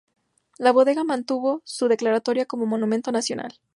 La bodega mantuvo su declaratoria como monumento nacional.